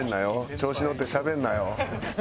調子に乗ってしゃべるなよ。